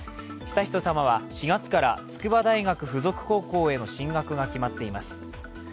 悠仁さまは４月から筑波大学附属高校への進学が決まっています。